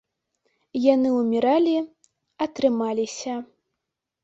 Яны ўміралі, а трымаліся.